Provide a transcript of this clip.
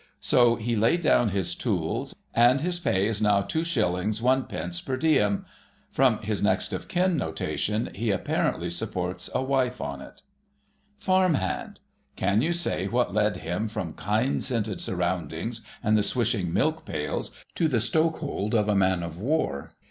So he laid down his tools, and his pay is now 2s. 1d. per diem: from his NEXT OF KIN notation he apparently supports a wife on it. Farm Hand. Can you say what led him from kine scented surroundings and the swishing milk pails to the stokehold of a man of war?